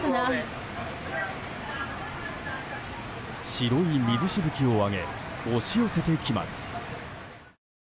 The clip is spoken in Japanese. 白い水しぶきを上げ押し寄せてきます。